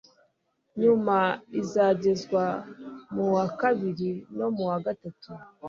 nyuma izagezwa mu wa kabiri no mu wa gatanu,